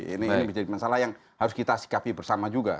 ini menjadi masalah yang harus kita sikapi bersama juga